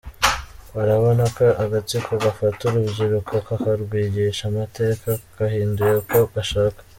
Barabona ko agatsiko gafata urubyiriko kakarwigisha amateka kahinduye uko gashaka.